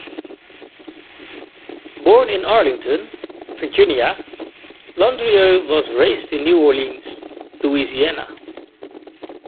Born in Arlington, Virginia, Landrieu was raised in New Orleans, Louisiana.